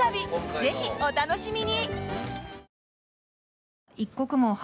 ぜひ、お楽しみに！